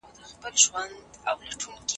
د علومو ترمنځ د ورته والي ټکي سته.